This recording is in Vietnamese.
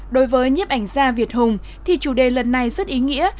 đối với nhiếp ảnh gia việt hùng thì chủ đề lần này rất ý nghĩa